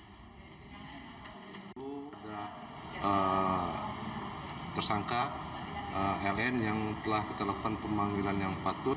itu sudah tersangka ln yang telah kita lakukan pemanggilan yang patut